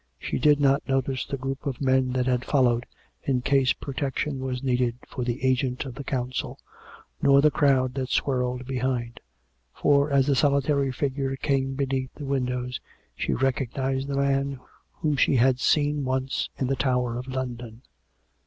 She did not notice the group of men that followed in case protection were needed for the agent of the Council, nor the crowd that swirled behind. For, as the solitary figure came be 234, COME RACK! COME ROPE! neath the windows she recognised the man whom she had seen once in the Tower of London.